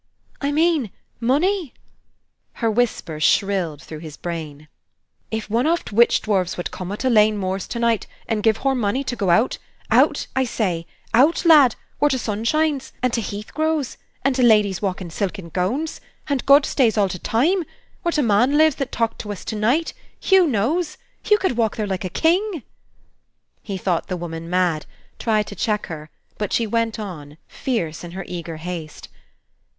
"I mean money." Her whisper shrilled through his brain. "If one oft' witch dwarfs wud come from t' lane moors to night, and gif hur money, to go out, OUT, I say, out, lad, where t' sun shines, and t' heath grows, and t' ladies walk in silken gownds, and God stays all t' time, where t'man lives that talked to us to night, Hugh knows, Hugh could walk there like a king!" He thought the woman mad, tried to check her, but she went on, fierce in her eager haste.